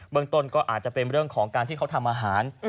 เมืองต้นก็อาจจะเป็นเรื่องของการที่เขาทำอาหาร